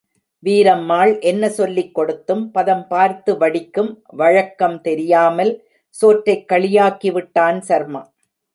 வீரம்மாள் என்ன சொல்லிக்கொடுத்தும், பதம் பார்த்து வடிக்கும் வழக்கம் தெரியாமல், சோற்றைக் களியாக்கிவிட்டான் சர்மா.